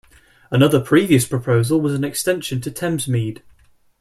Another previous proposal was an extension to Thamesmead.